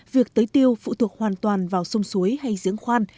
việc tới tiêu phụ thuộc hoàn toàn vào sông suối hay giếng khoan